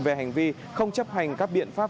về hành vi không chấp hành các biện pháp